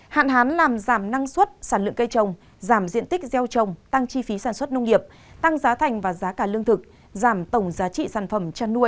hạn hán làm giảm năng suất sản lượng cây trồng giảm diện tích gieo trồng tăng chi phí sản xuất nông nghiệp tăng giá thành và giá cả lương thực giảm tổng giá trị sản phẩm chăn nuôi